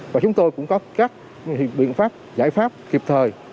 và chúng tôi cũng có các biện pháp giải pháp kịp thời